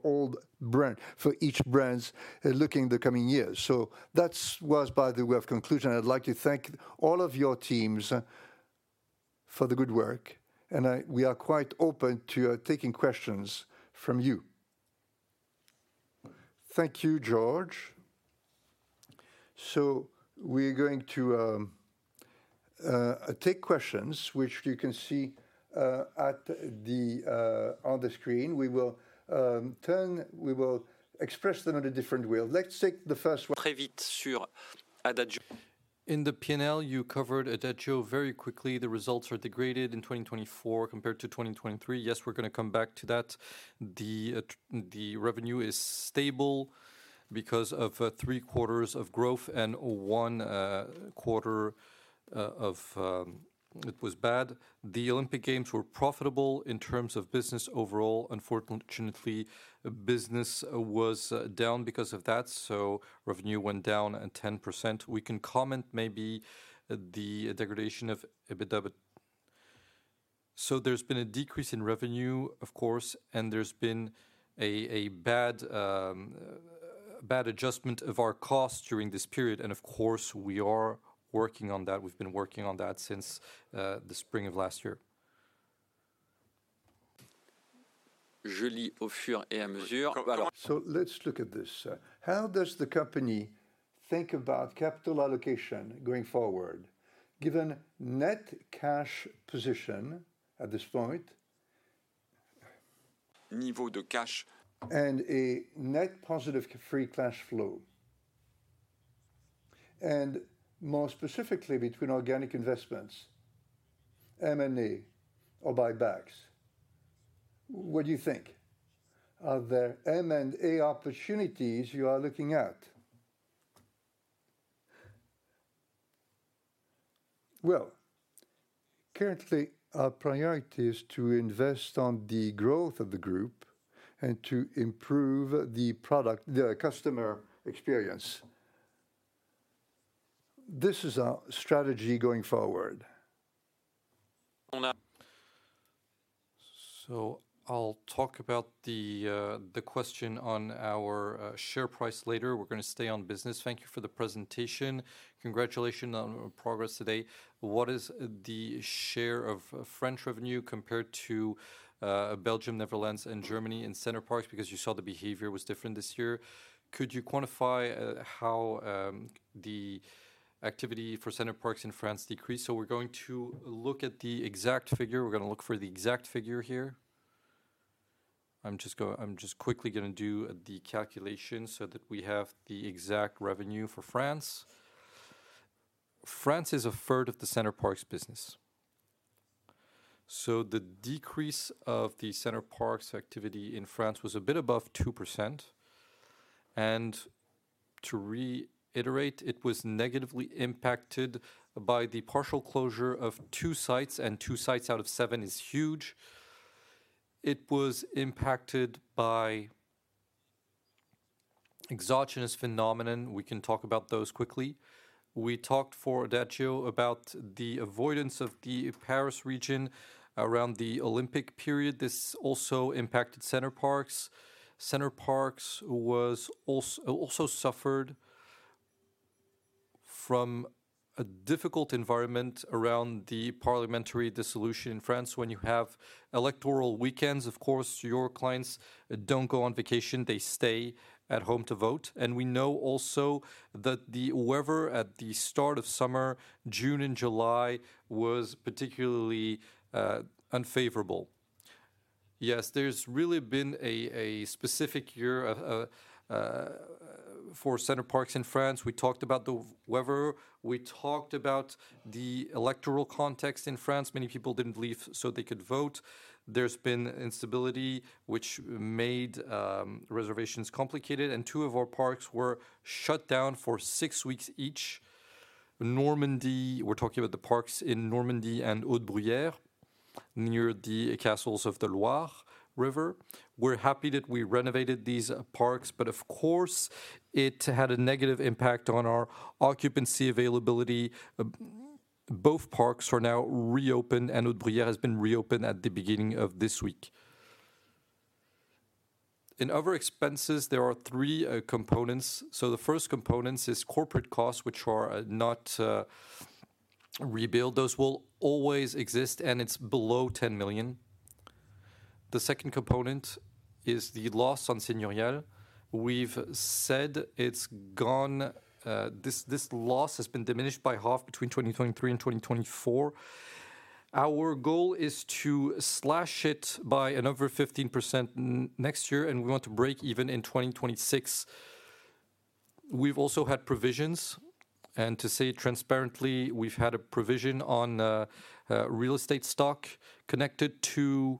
each brand looking at the coming years. That was, by the way, the conclusion. I'd like to thank all of your teams for the good work. We are quite open to taking questions from you. Thank you, Georges. We're going to take questions, which you can see on the screen. We will express them in a different way. Let's take the first. Très vite sur Adagio. In the P&L, you covered Adagio very quickly. The results are degraded in 2024 compared to 2023. Yes, we're going to come back to that. The revenue is stable because of three quarters of growth and one quarter of it was bad. The Olympic Games were profitable in terms of business overall. Unfortunately, business was down because of that. So revenue went down 10%. We can comment maybe the degradation of EBITDA. So there's been a decrease in revenue, of course, and there's been a bad adjustment of our costs during this period. And of course, we are working on that. We've been working on that since the spring of last year. Je lis au fur et à mesure. So let's look at this. How does the company think about capital allocation going forward, given net cash position at this point? Niveau de cash. And a net positive free cash flow? More specifically, between organic investments, M&A or buybacks? What do you think? Are there M&A opportunities you are looking at? Currently, our priority is to invest on the growth of the group and to improve the product, the customer experience. This is our strategy going forward. I'll talk about the question on our share price later. We're going to stay on business. Thank you for the presentation. Congratulations on progress today. What is the share of French revenue compared to Belgium, Netherlands, and Germany in Center Parcs? Because you saw the behavior was different this year. Could you quantify how the activity for Center Parcs in France decreased? We're going to look at the exact figure. We're going to look for the exact figure here. I'm just quickly going to do the calculation so that we have the exact revenue for France. France is a third of the Center Parcs business, so the decrease of the Center Parcs activity in France was a bit above 2%. And to reiterate, it was negatively impacted by the partial closure of two sites, and two sites out of seven is huge. It was impacted by exogenous phenomenon. We can talk about those quickly. We talked for Adagio about the avoidance of the Paris region around the Olympic period. This also impacted Center Parcs. Center Parcs also suffered from a difficult environment around the parliamentary dissolution in France. When you have electoral weekends, of course, your clients don't go on vacation. They stay at home to vote. And we know also that the weather at the start of summer, June and July, was particularly unfavorable. Yes, there's really been a specific year for Center Parcs in France. We talked about the weather. We talked about the electoral context in France. Many people didn't leave so they could vote. There's been instability, which made reservations complicated. And two of our parks were shut down for six weeks each. Normandy, we're talking about the parks in Normandy and Les Hauts de Bruyères, near the castles of the Loire River. We're happy that we renovated these parks, but of course, it had a negative impact on our occupancy availability. Both parks are now reopened, and Les Hauts de Bruyères has been reopened at the beginning of this week. In other expenses, there are three components. So the first component is corporate costs, which are not rebuilt. Those will always exist, and it's below 10 million. The second component is the loss on Les Senioriales. We've said it's gone. This loss has been diminished by half between 2023 and 2024. Our goal is to slash it by another 15% next year, and we want to break even in 2026. We've also had provisions, and to say it transparently, we've had a provision on real estate stock connected to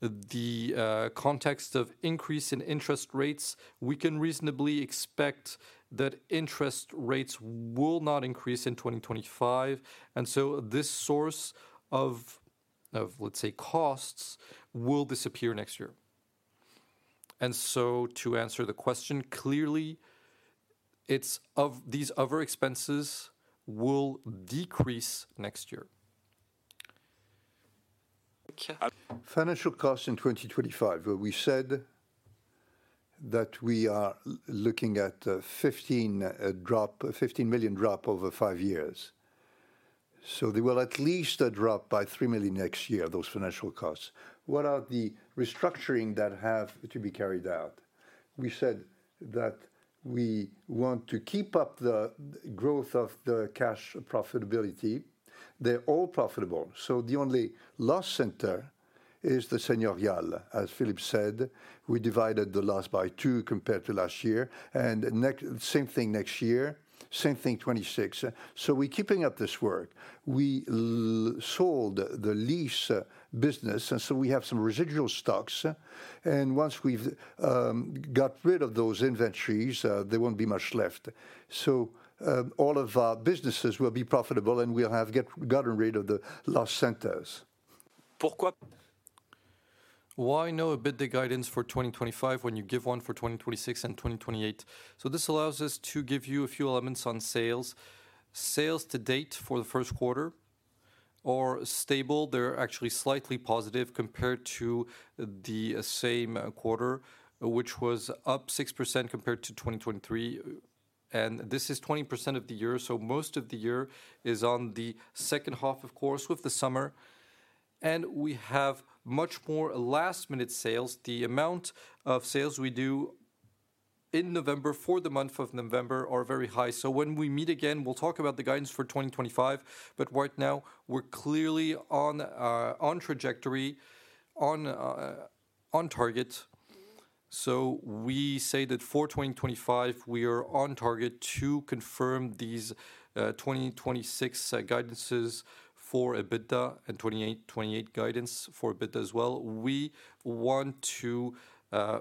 the context of increase in interest rates. We can reasonably expect that interest rates will not increase in 2025, and so this source of, let's say, costs will disappear next year. And so to answer the question clearly, these other expenses will decrease next year. Financial costs in 2025. We said that we are looking at a 15 million drop over five years. So there will at least a drop by 3 million next year, those financial costs. What are the restructuring that have to be carried out? We said that we want to keep up the growth of the cash profitability. They're all profitable. The only loss center is Les Senioriales. As Philippe said, we divided the loss by two compared to last year. And same thing next year, same thing 2026. So we're keeping up this work. We sold the lease business, and so we have some residual stocks. And once we've got rid of those inventories, there won't be much left. So all of our businesses will be profitable, and we'll have gotten rid of the loss centers. Why not give a bit of the guidance for 2025 when you give one for 2026 and 2028? So this allows us to give you a few elements on sales. Sales to date for the first quarter are stable. They're actually slightly positive compared to the same quarter, which was up 6% compared to 2023. And this is 20% of the year. Most of the year is on the second half, of course, with the summer. And we have much more last-minute sales. The amount of sales we do in November for the month of November are very high. So when we meet again, we'll talk about the guidance for 2025. But right now, we're clearly on trajectory, on target. So we say that for 2025, we are on target to confirm these 2026 guidances for EBITDA and 2028 guidance for EBITDA as well. We want to,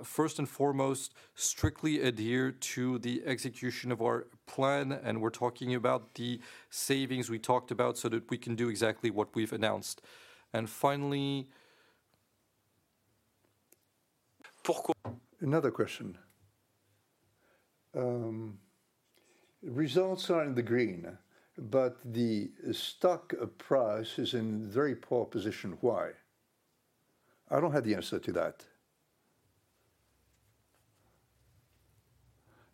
first and foremost, strictly adhere to the execution of our plan. And we're talking about the savings we talked about so that we can do exactly what we've announced. And finally, another question. Results are in the green, but the stock price is in very poor position. Why? I don't have the answer to that.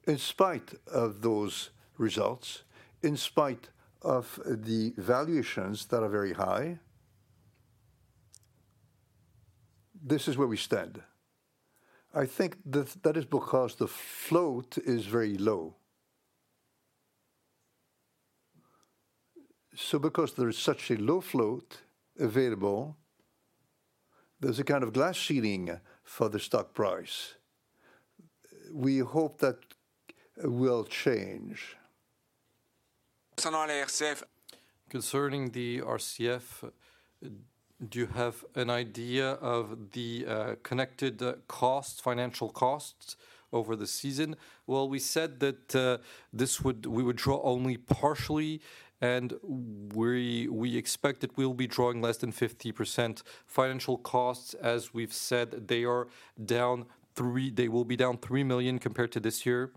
In spite of those results, in spite of the valuations that are very high, this is where we stand. I think that is because the float is very low. So because there is such a low float available, there's a kind of glass ceiling for the stock price. We hope that will change. Concerning the RCF, do you have an idea of the connected costs, financial costs over the season? Well, we said that this would draw only partially, and we expect that we'll be drawing less than 50% financial costs, as we've said they are down three million, they will be down 3 million compared to this year.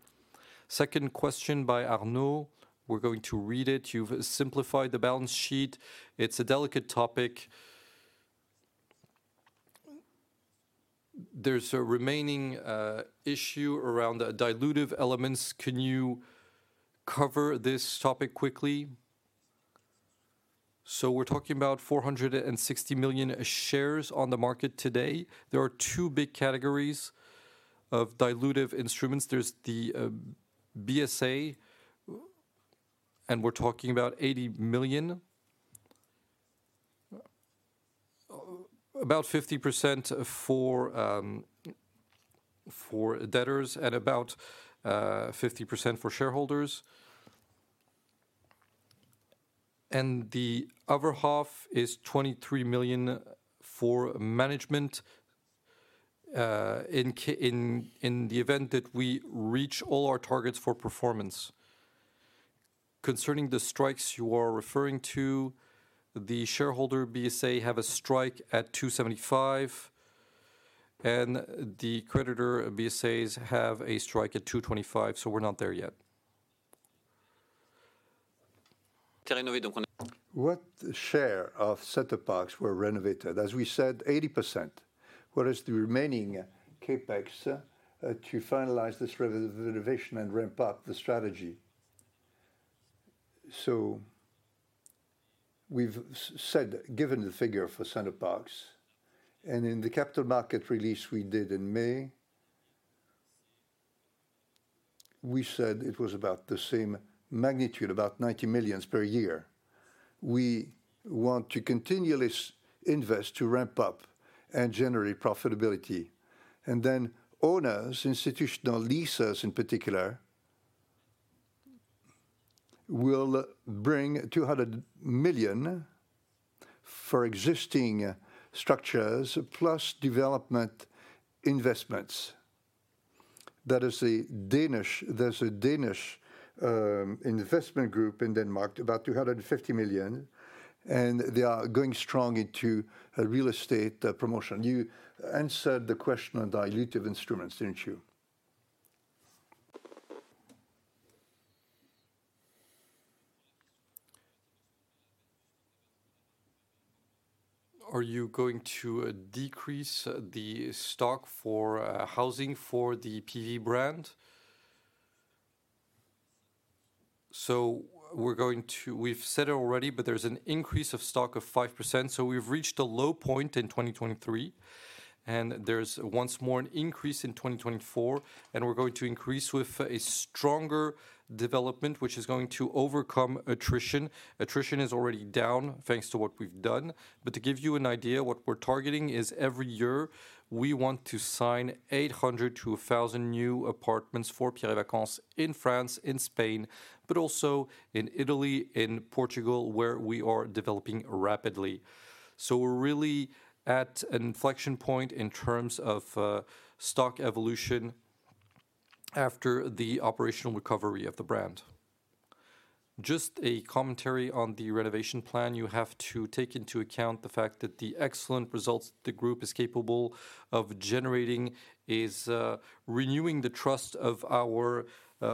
Second question by Arnaud. We're going to read it. You've simplified the balance sheet. It's a delicate topic. There's a remaining issue around dilutive elements. Can you cover this topic quickly? We're talking about 460 million shares on the market today. There are two big categories of dilutive instruments. There's the BSA, and we're talking about 80 million, about 50% for debtors and about 50% for shareholders. And the other half is 23 million for management in the event that we reach all our targets for performance. Concerning the strikes you are referring to, the shareholder BSA have a strike at 275, and the creditor BSAs have a strike at 225. So we're not there yet. What share of Center Parcs were renovated? As we said, 80%. What is the remaining CapEx to finalize this renovation and ramp up the strategy? So we've said, given the figure for Center Parcs, and in the capital market release we did in May, we said it was about the same magnitude, about 90 million per year. We want to continually invest to ramp up and generate profitability. And then owners, institutional lessors in particular, will bring 200 million for existing structures, plus development investments. That is a Danish, there's a Danish investment group in Denmark, about 250 million, and they are going strong into real estate promotion. You answered the question on dilutive instruments, didn't you? Are you going to decrease the stock for housing for the PV brand? So we're going to, we've said it already, but there's an increase of stock of 5%. So we've reached a low point in 2023, and there's once more an increase in 2024, and we're going to increase with a stronger development, which is going to overcome attrition. Attrition is already down thanks to what we've done. But to give you an idea, what we're targeting is every year, we want to sign 800-1,000 new apartments for Pierre & Vacances in France, in Spain, but also in Italy, in Portugal, where we are developing rapidly. So we're really at an inflection point in terms of stock evolution after the operational recovery of the brand. Just a commentary on the renovation plan, you have to take into account the fact that the excellent results the group is capable of generating is renewing the trust of our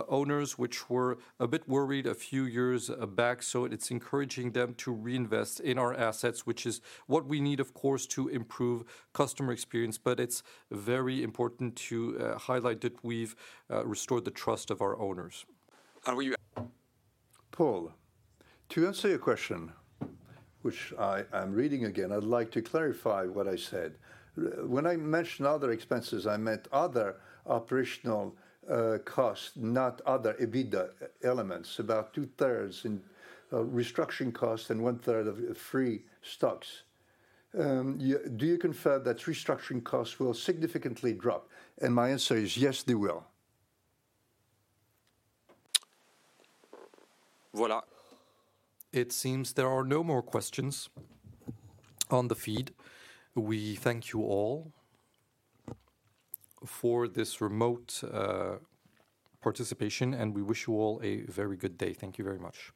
owners, which were a bit worried a few years back. So it's encouraging them to reinvest in our assets, which is what we need, of course, to improve customer experience. But it's very important to highlight that we've restored the trust of our owners. Paul, to answer your question, which I'm reading again, I'd like to clarify what I said. When I mentioned other expenses, I meant other operational costs, not other EBITDA elements, about two-thirds in restructuring costs and one-third of free stocks. Do you confirm that restructuring costs will significantly drop? And my answer is yes, they will. It seems there are no more questions on the feed. We thank you all for this remote participation, and we wish you all a very good day. Thank you very much.